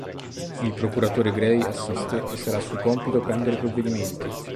Il procuratore Gray assiste e sarà suo compito prendere provvedimenti.